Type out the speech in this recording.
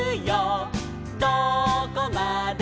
どこまでも」